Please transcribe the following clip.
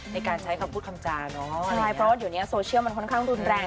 ในการใช้คำพูดคำจาเนอะใช่เพราะว่าเดี๋ยวนี้โซเชียลมันค่อนข้างรุนแรง